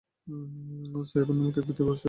সায়বান নামক এক ব্যক্তির ঔরসে তার জন্ম হয়।